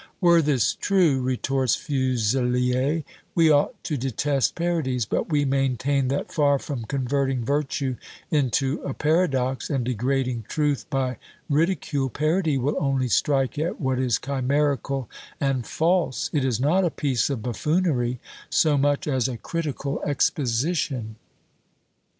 "Were this true," retorts Fuzelier, "we ought to detest parodies; but we maintain, that far from converting virtue into a paradox, and degrading truth by ridicule, PARODY will only strike at what is chimerical and false; it is not a piece of buffoonery so much as a critical exposition.